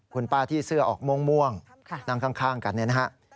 คุณป้าที่เสื้อออกม่วงนั่งข้างกันเนี่ยนะฮะ